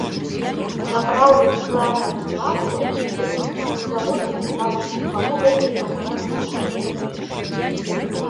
Сапраўдных хларапластаў выявіць не ўдалося нават з дапамогай электроннай мікраскапіі.